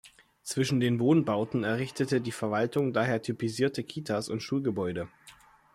Zwischen den Wohnbauten errichtete die Verwaltung daher typisierte Kitas und Schulgebäude.